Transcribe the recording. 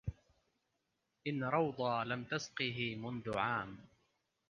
إن روضا لم تسقه منذ عام